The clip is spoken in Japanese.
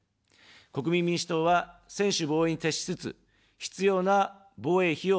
国民民主党は、専守防衛に徹しつつ、必要な防衛費を増額します。